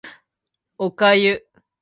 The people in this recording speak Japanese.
お粥